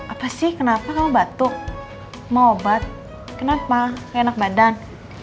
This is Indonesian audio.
apa sih kenapa kamu batuk mau obat kenapa enak badan